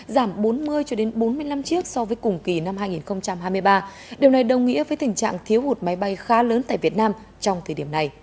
giảm bốn mươi bốn mươi năm chiếc so với cùng kỳ năm hai nghìn hai mươi ba điều này đồng nghĩa với tình trạng thiếu hụt máy bay khá lớn tại việt nam trong thời điểm này